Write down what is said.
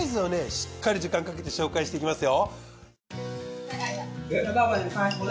しっかり時間かけて紹介していきますよ。